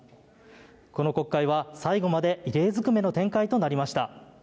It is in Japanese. この国会は最後まで異例ずくめの展開となりました。